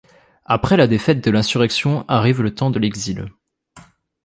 Après la défaite de l'insurrection arrive le temps de l'exil.